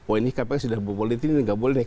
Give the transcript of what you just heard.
wah ini kpk sudah berpolitik ini enggak boleh deh